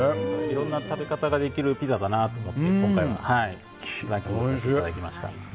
いろんな食べ方ができるピザだなと思って今回はランクインさせていただきました。